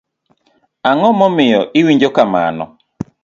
Ang'o momiyo iwinjo kamano?